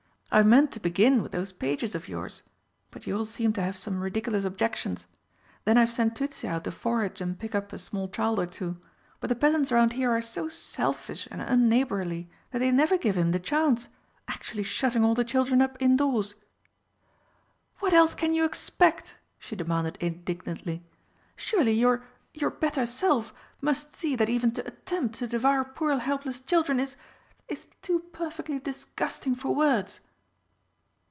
I meant to begin with those pages of yours but you all seemed to have some ridiculous objections. Then I've sent Tützi out to forage and pick up a small child or two, but the peasants round here are so selfish and unneighbourly that they never give him the chance actually shutting all the children up indoors!" "What else can you expect?" she demanded indignantly. "Surely your your better self must see that even to attempt to devour poor helpless children is is too perfectly disgusting for words!"